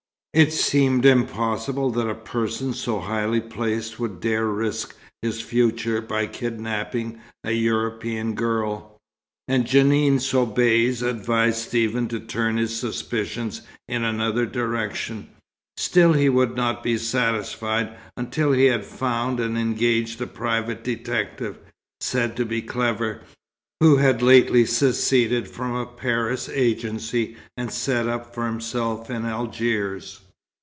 It seemed impossible that a person so highly placed would dare risk his future by kidnapping a European girl, and Jeanne Soubise advised Stephen to turn his suspicions in another direction. Still he would not be satisfied, until he had found and engaged a private detective, said to be clever, who had lately seceded from a Paris agency and set up for himself in Algiers.